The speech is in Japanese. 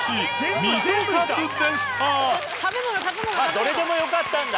どれでもよかったんだ。